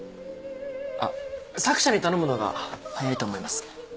あっ作者に頼むのが早いと思います。